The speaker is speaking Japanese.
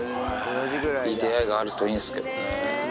いい出会いがあるといいんですけどね。